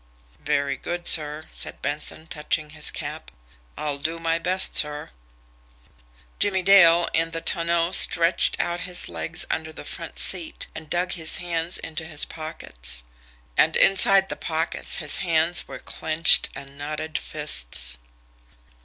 "Very good, sir," said Benson, touching his cap. "I'll do my best, sir." Jimmie Dale, in the tonneau, stretched out his legs under the front seat, and dug his hands into his pockets and inside the pockets his hands were clenched and knotted fists.